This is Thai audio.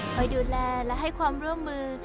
คอยดูแลและให้ความร่วมมือ